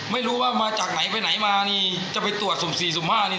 ไม่รู้ว่ามาจากไหนไปไหนมานี่จะไปตรวจสุ่ม๔สุ่มห้านี่